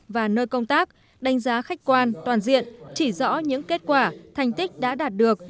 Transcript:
và nơi công tác đánh giá khách quan toàn diện chỉ rõ những kết quả thành tích đã đạt được